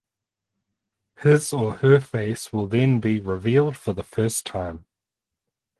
His or her face will then be revealed for the first time.